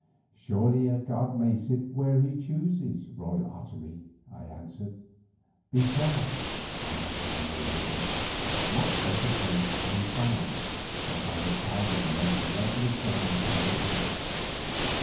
"Surely a god may sit where he chooses, royal Otomie," I answered; "besides," I added in a low voice, "what better place can he find than by the side of the most lovely goddess on the earth."